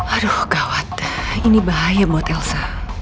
aduh khawatir ini bahaya buat elsa